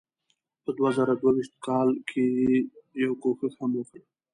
په دوه زره دوه ویشت کال کې یې یو کوښښ هم وکړ.